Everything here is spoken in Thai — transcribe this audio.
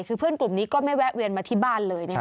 คือเพื่อนกลุ่มนี้ก็ไม่แวะเวียนมาที่บ้านเลย